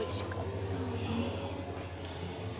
え、すてき。